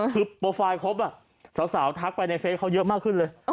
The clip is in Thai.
คือโปรไฟล์ครบสาวทักไปในเฟซเขาเยอะมากขึ้นเลย